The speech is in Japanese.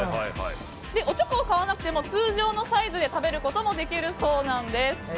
おちょこを買わなくても通常のサイズで食べることもできるそうなんです。